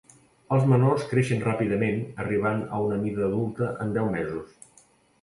Els menors creixen ràpidament arribant a una mida adulta en deu mesos.